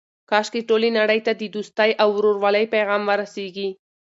کاشکې ټولې نړۍ ته د دوستۍ او ورورولۍ پیغام ورسیږي.